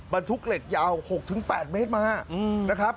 บรรทุกเหล็กยาว๖๘เมตรมานะครับ